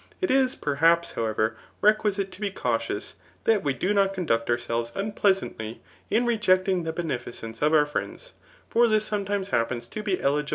It is perhaps^ bowever, requisite to be cautious that we do not conduct ourselves unpleasantly, in rejecting the beneficence of mxr friends ; for this sometimes happens to be eligibk in aUdimgs.